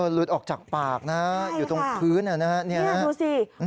หลุดออกจากปากนะอยู่ตรงคืนนี่นะ